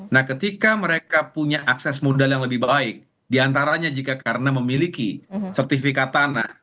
nah ketika mereka punya akses modal yang lebih baik diantaranya jika karena memiliki sertifikat tanah